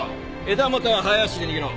枝元は早足で逃げろ。